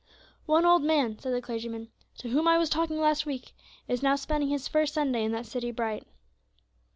"One old man," said the clergyman, "to whom I was talking last week is now spending his first Sunday in that city bright."